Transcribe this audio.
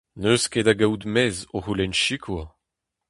N'eus ket da gaout mezh o c'houlenn sikour.